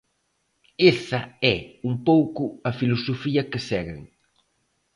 Esa é, un pouco, a filosofía que seguen.